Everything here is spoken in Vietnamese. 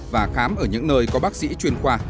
và khám ở những nơi có bác sĩ chuyên khoa